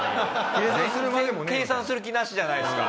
全然計算する気なしじゃないですか。